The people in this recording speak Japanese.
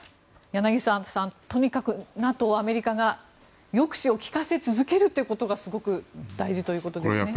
柳澤さん、とにかくＮＡＴＯ、アメリカが抑止を利かせ続けるということがすごく大事だということですね。